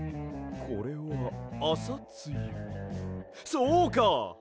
そうか！